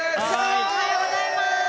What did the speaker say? おはようございます。